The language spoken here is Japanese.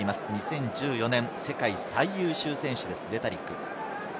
２０１４年、世界最優秀選手です、レタリック。